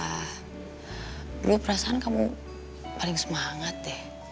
aku merasa kamu paling semangat